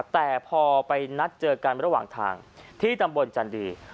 แต่พอไปนัดเจอกันระหว่างทางที่ตำบลจันดี